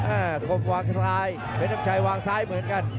อ้าวทุกคนวางซ้ายเพชรน้ำชัยวางซ้ายเหมือนกัน